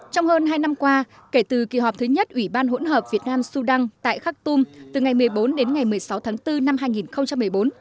trong hơn hai năm qua kể từ kỳ họp thứ nhất ủy ban hỗn hợp việt nam sudan tại khak tum từ ngày một mươi bốn đến ngày một mươi sáu tháng bốn năm hai nghìn một mươi bốn